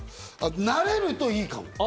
慣れるといいかも。